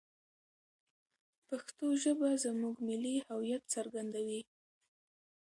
پښتو ژبه زموږ ملي هویت څرګندوي.